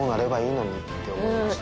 て思いました。